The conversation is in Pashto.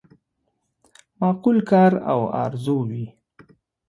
معقول کار او آرزو وي.